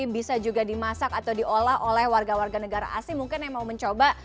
bisa juga dimasak atau diolah oleh warga warga negara asing mungkin yang mau mencoba